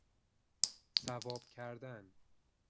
صواب کردن